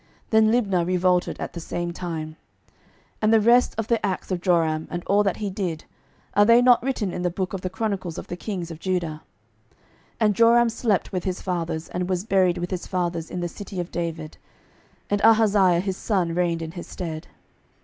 Then Libnah revolted at the same time. 12:008:023 And the rest of the acts of Joram, and all that he did, are they not written in the book of the chronicles of the kings of Judah? 12:008:024 And Joram slept with his fathers, and was buried with his fathers in the city of David: and Ahaziah his son reigned in his stead.